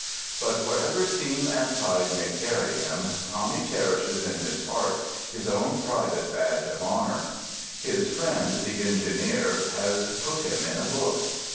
But wherever steam and tide may carry him, Tommy cherishes in his heart his own private badge of honour: his friend the engineer has put him in a book!